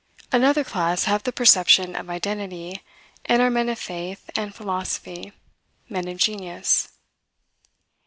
Another class have the perception of identity, and are men of faith and philosophy, men of genius.